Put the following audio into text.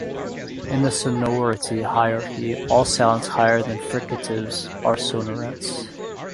In the sonority hierarchy, all sounds higher than fricatives are sonorants.